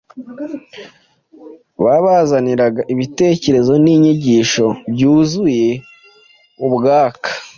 babazaniraga ibitekerezo n’inyigisho byuzuye ubwaka.